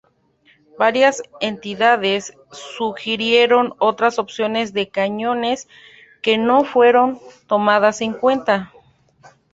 Varias entidades sugirieron otras opciones de cañones que no fueron tomadas en cuenta.